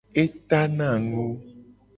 E tana nu.